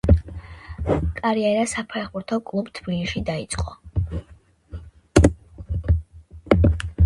კარიერა საფეხბურთო კლუბ „თბილისში“ დაიწყო.